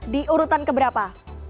di urutan keberapa